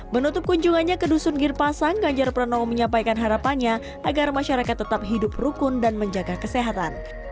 menutup kunjungannya ke dusun girpasang ganjar pranowo menyampaikan harapannya agar masyarakat tetap hidup rukun dan menjaga kesehatan